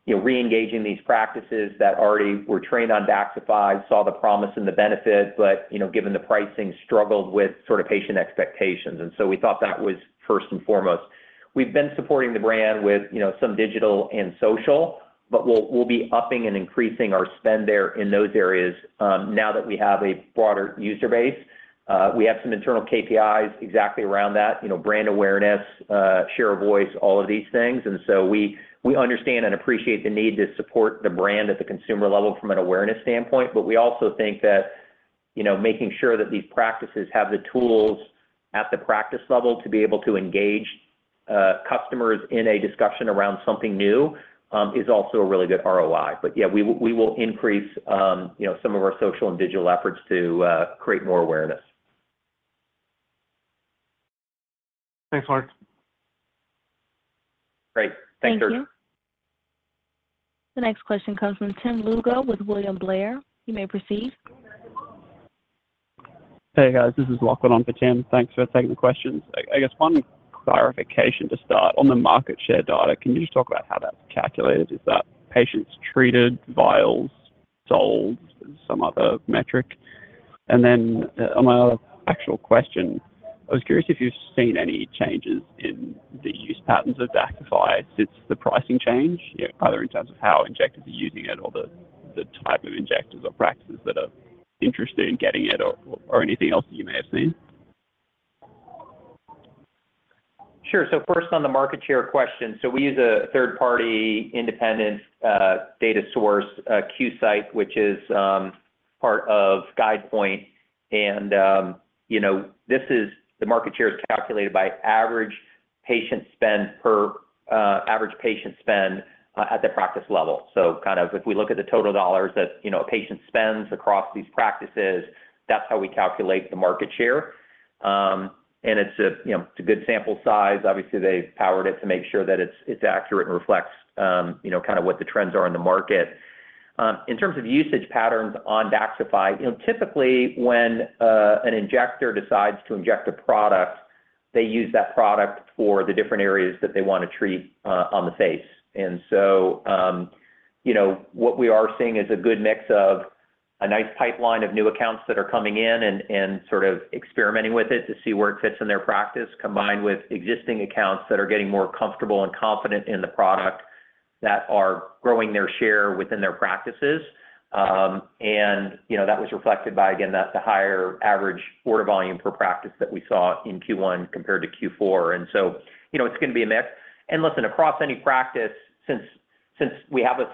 reengaging these practices that already were trained on DAXXIFY, saw the promise and the benefit, but given the pricing, struggled with sort of patient expectations. And so we thought that was first and foremost. We've been supporting the brand with some digital and social, but we'll be upping and increasing our spend there in those areas now that we have a broader user base. We have some internal KPIs exactly around that: brand awareness, share of voice, all of these things. And so we understand and appreciate the need to support the brand at the consumer level from an awareness standpoint. But we also think that making sure that these practices have the tools at the practice level to be able to engage customers in a discussion around something new is also a really good ROI. But yeah, we will increase some of our social and digital efforts to create more awareness. Thanks, Mark. Great. Thanks, Serge. Thank you. The next question comes from Tim Lugo with William Blair. You may proceed. Hey, guys. This is Lachlan on for Tim. Thanks for taking the questions. I guess one clarification to start. On the market share data, can you just talk about how that's calculated? Is that patients treated, vials, sold, some other metric? And then on my other actual question, I was curious if you've seen any changes in the use patterns of DAXXIFY since the pricing change, either in terms of how injectors are using it or the type of injectors or practices that are interested in getting it or anything else that you may have seen? Sure. So first, on the market share question, so we use a third-party independent data source, Qsight, which is part of Guidepoint. And this is the market share is calculated by average patient spend per average patient spend at the practice level. So kind of if we look at the total dollars that a patient spends across these practices, that's how we calculate the market share. And it's a good sample size. Obviously, they've powered it to make sure that it's accurate and reflects kind of what the trends are in the market. In terms of usage patterns on DAXXIFY, typically, when an injector decides to inject a product, they use that product for the different areas that they want to treat on the face. And so what we are seeing is a good mix of a nice pipeline of new accounts that are coming in and sort of experimenting with it to see where it fits in their practice, combined with existing accounts that are getting more comfortable and confident in the product that are growing their share within their practices. And that was reflected by, again, the higher average order volume per practice that we saw in Q1 compared to Q4. And so it's going to be a mix. And listen, across any practice, since we have a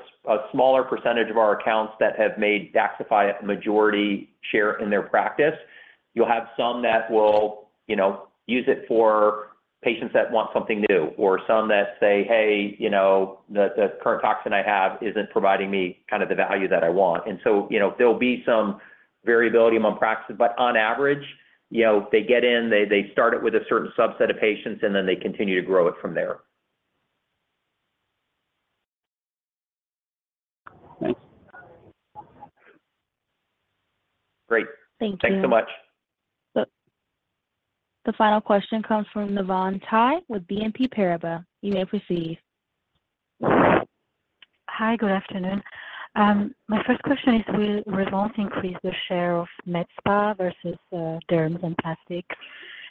smaller percentage of our accounts that have made DAXXIFY a majority share in their practice, you'll have some that will use it for patients that want something new or some that say, "Hey, the current toxin I have isn't providing me kind of the value that I want." And so there'll be some variability among practices. But on average, they get in, they start it with a certain subset of patients, and then they continue to grow it from there. Thanks. Great. Thank you. Thanks so much. The final question comes from Navann Ty with BNP Paribas. You may proceed. Hi. Good afternoon. My first question is, will Revance increase the share of MedSpa versus derms and plastics?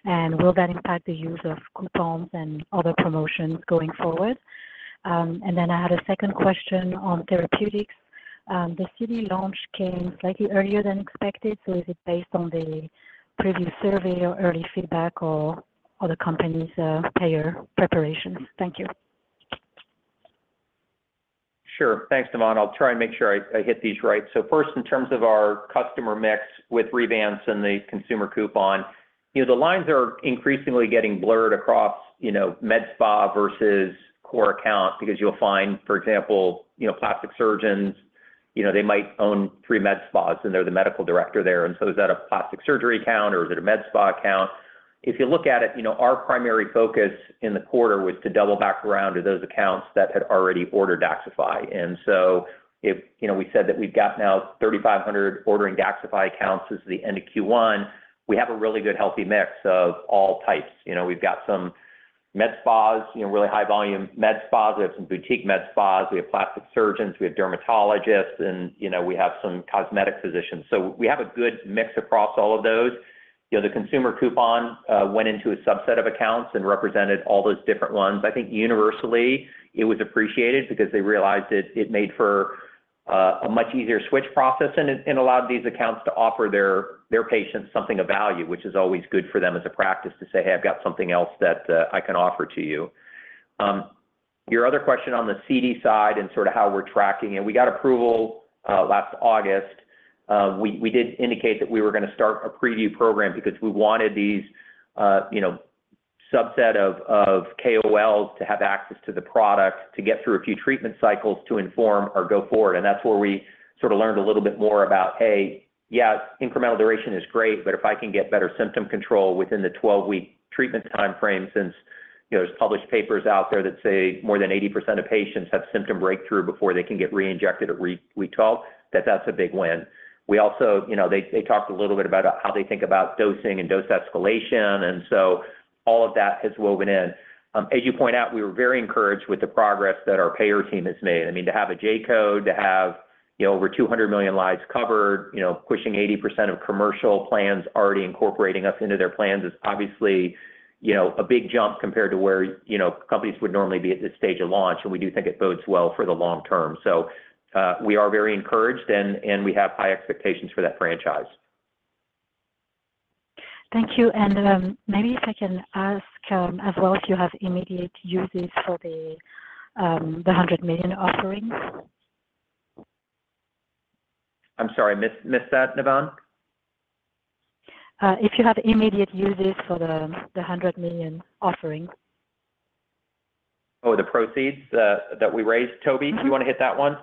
And will that impact the use of coupons and other promotions going forward? And then I had a second question on therapeutics. The CD launch came slightly earlier than expected. So is it based on the previous survey or early feedback or other companies' payer preparations? Thank you. Sure. Thanks, Navon. I'll try and make sure I hit these right. So first, in terms of our customer mix with Revance and the consumer coupon, the lines are increasingly getting blurred across MedSpa versus core account because you'll find, for example, plastic surgeons, they might own 3 MedSpas, and they're the medical director there. And so is that a plastic surgery account, or is it a MedSpa account? If you look at it, our primary focus in the quarter was to double back around to those accounts that had already ordered DAXXIFY. And so we said that we've got now 3,500 ordering DAXXIFY accounts at the end of Q1. We have a really good healthy mix of all types. We've got some MedSpas, really high-volume MedSpas. We have some boutique MedSpas. We have plastic surgeons. We have dermatologists. And we have some cosmetic physicians. So we have a good mix across all of those. The consumer coupon went into a subset of accounts and represented all those different ones. I think universally, it was appreciated because they realized it made for a much easier switch process and allowed these accounts to offer their patients something of value, which is always good for them as a practice to say, "Hey, I've got something else that I can offer to you." Your other question on the CD side and sort of how we're tracking it, we got approval last August. We did indicate that we were going to start a preview program because we wanted these subset of KOLs to have access to the product to get through a few treatment cycles to inform our go-forward. And that's where we sort of learned a little bit more about, "Hey, yeah, incremental duration is great, but if I can get better symptom control within the 12-week treatment timeframe since there's published papers out there that say more than 80% of patients have symptom breakthrough before they can get reinjected at week 12, that that's a big win." They talked a little bit about how they think about dosing and dose escalation. And so all of that has woven in. As you point out, we were very encouraged with the progress that our payer team has made. I mean, to have a J-code, to have over 200 million lives covered, pushing 80% of commercial plans already incorporating us into their plans is obviously a big jump compared to where companies would normally be at this stage of launch. We do think it bodes well for the long term. We are very encouraged, and we have high expectations for that franchise. Thank you. Maybe if I can ask as well if you have immediate uses for the $100 million offering? I'm sorry. Missed that, Navon? If you have immediate uses for the $100 million offering. Oh, the proceeds that we raised. Toby, do you want to hit that one?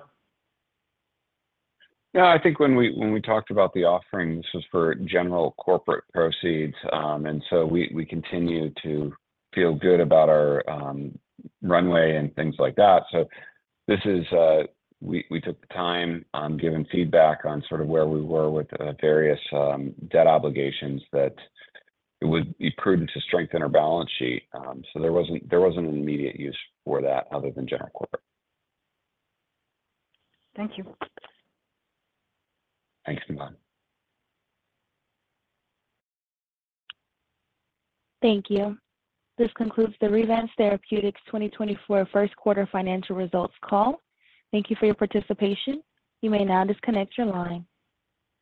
No, I think when we talked about the offering, this was for general corporate proceeds. So we continue to feel good about our runway and things like that. So we took the time on giving feedback on sort of where we were with various debt obligations that it would be prudent to strengthen our balance sheet. So there wasn't an immediate use for that other than general corporate. Thank you. Thanks, Navon. Thank you. This concludes the Revance Therapeutics 2024 first-quarter financial results call. Thank you for your participation. You may now disconnect your line.